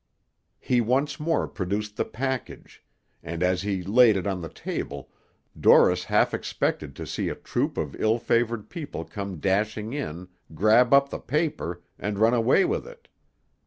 He once more produced the package, and as he laid it on the table, Dorris half expected to see a troop of ill favored people come dashing in, grab up the paper, and run away with it.